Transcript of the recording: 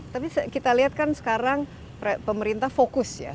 tapi kita lihat kan sekarang pemerintah fokus ya